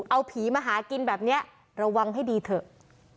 เอาผีมาหากินแบบนี้ระวังให้ดีเถอะ